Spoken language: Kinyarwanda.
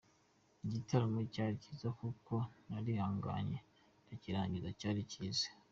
Igitaramo cyari cyiza kuko narihanganye ndakirangiza ,cyari cyiza.